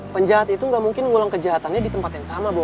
penjahat itu gak mungkin ngulang kejahatannya di tempat yang sama bob